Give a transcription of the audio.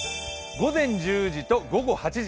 午前１０時と午後８時。